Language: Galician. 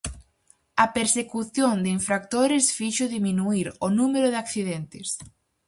A persecución de infractores fixo diminuír o número de accidentes.